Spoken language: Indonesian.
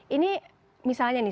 ini misalnya nih